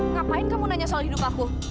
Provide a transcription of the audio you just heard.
ngapain kamu nanya soal hidup aku